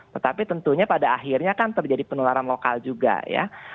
tetapi tentunya pada akhirnya kan terjadi penularan lokal juga ya